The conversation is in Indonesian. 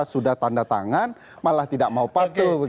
sudah tanda tangan malah tidak mau patuh